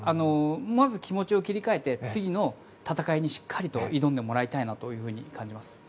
まず気持ちを切り替えて次の戦いにしっかりと挑んでもらいたいなと感じます。